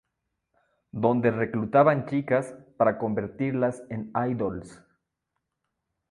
Donde reclutaban chicas para convertirlas en idols.